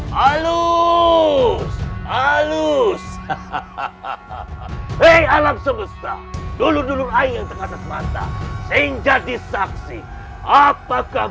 halus halus hei alam semesta dulu dulu air yang terasa semata sehingga disaksi apakah